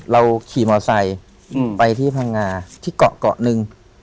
เราขี่มอไซค์ไปที่พังงาที่เกาะเกาะหนึ่ง